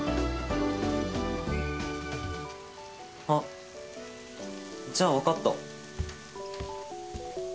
あっじゃあ分かった。